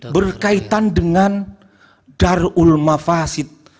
berkaitan dengan darul mafasid